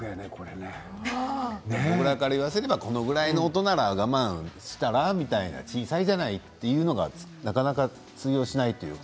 僕らから言わせればこのぐらいの音だから我慢したら、小さいじゃない？というのはなかなか通用しないというか。